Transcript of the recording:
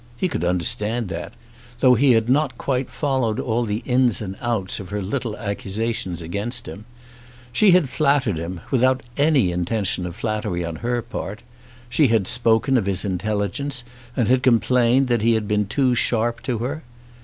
He could understand that, though he had not quite followed all the ins and outs of her little accusations against him. She had flattered him without any intention of flattery on her part. She had spoken of his intelligence and had complained that he had been too sharp to her.